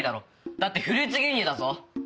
だってフルーツ牛乳だぞ！